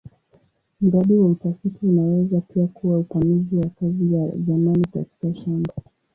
Mradi wa utafiti unaweza pia kuwa upanuzi wa kazi ya zamani katika shamba.